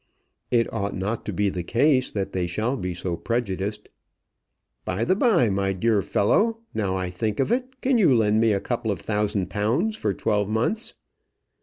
It ought not to be the case that they shall be so prejudiced. "By the by, my dear fellow, now I think of it, can you lend me a couple of thousand pounds for twelve months?"